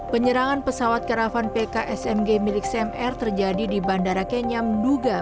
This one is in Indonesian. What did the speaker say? penyerangan pesawat karavan pksmg milik cmr terjadi di bandara kenyam duga